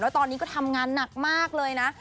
แล้วตอนนี้ก็ทำงานหนักมากเลยนะ